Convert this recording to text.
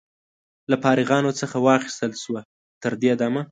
له فارغانو څخه واخیستل شوه. تر دې دمه